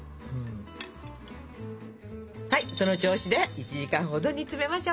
はいその調子で１時間ほど煮つめましょう。